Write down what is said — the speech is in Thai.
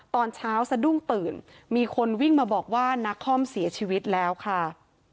ตอนเช้าสะดุ้งตื่นมีคนวิ่งมาบอกว่านักคอมเสียชีวิตแล้วค่ะ